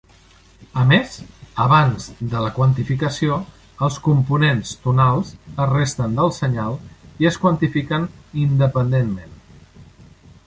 A més, abans de la quantificació, els components tonals es resten del senyal i es quantifiquen independentment.